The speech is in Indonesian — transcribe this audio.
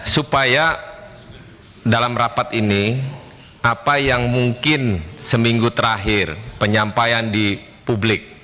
supaya dalam rapat ini apa yang mungkin seminggu terakhir penyampaian di publik